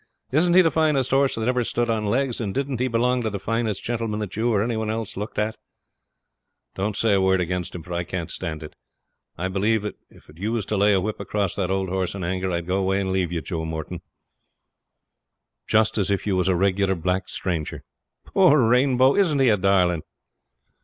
'Isn't he the finest horse that ever stood on legs, and didn't he belong to the finest gentleman that you or any one else looked at? Don't say a word against him, for I can't stand it. I believe if you was to lay a whip across that old horse in anger I'd go away and leave you, Joe Moreton, just as if you was a regular black stranger. Poor Rainbow! Isn't he a darling?'